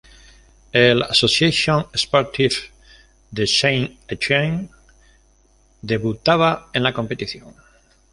El Association Sportive de Saint-Étienne debutaba en la competición.